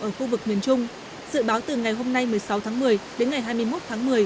ở khu vực miền trung dự báo từ ngày hôm nay một mươi sáu tháng một mươi đến ngày hai mươi một tháng một mươi